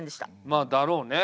まあだろうね。